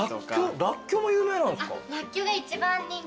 らっきょうも有名なんすか？